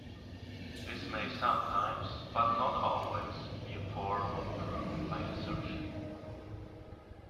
This may sometimes, but not always, be a form of proof by assertion.